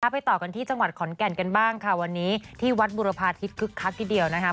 ไปต่อกันที่จังหวัดขอนแก่นกันบ้างค่ะวันนี้ที่วัดบุรพาทิศคึกคักทีเดียวนะคะ